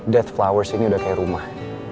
death flowers ini udah kayak rumah